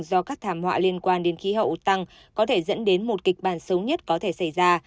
do các thảm họa liên quan đến khí hậu tăng có thể dẫn đến một kịch bản xấu nhất có thể xảy ra